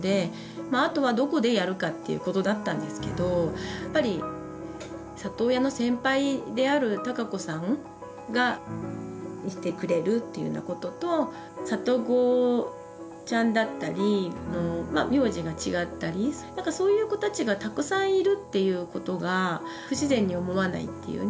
まああとはどこでやるかっていうことだったんですけどやっぱり里親の先輩である孝子さんがいてくれるっていうようなことと里子ちゃんだったりまあ名字が違ったり何かそういう子たちがたくさんいるっていうことが不自然に思わないっていうね。